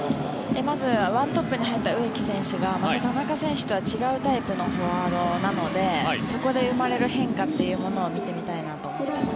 まずは１トップに入った植木選手がまた田中選手とは違うタイプのフォワードなのでそこで生まれる変化というものを見てみたいなと思います。